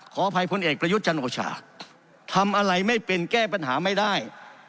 ขออภัยพลเอกประยุทธ์จันโอชาทำอะไรไม่เป็นแก้ปัญหาไม่ได้